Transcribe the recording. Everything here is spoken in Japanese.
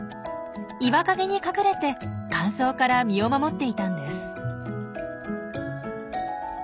岩陰に隠れて乾燥から身を守っていたんです。